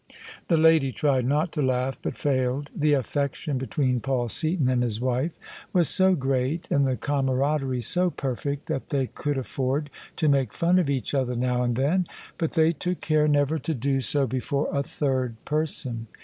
The lady tried not to lau^, but failed. The affection between Paul Seaton and his wife was so great and the eamaraderie so perfect, that they could afford to make fun of each other now and then : but they took care never to do so before a third person.